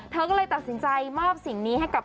เธอก็เลยตัดสินใจมอบสิ่งนี้ให้กับ